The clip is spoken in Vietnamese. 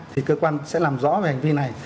thì cơ quan sẽ làm rõ về hành vi này